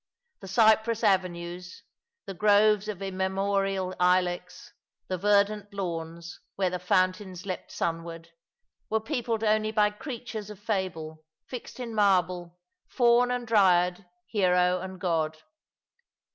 The cypress avenues, the groves of immemorial ilex, the verdant lawns where the fountains leapt sunward, were peopled only by creatures of fable, fixed in marble, faun and dryad, hero and god.